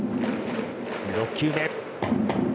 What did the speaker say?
６球目。